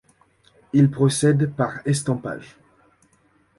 Il procède par estampage.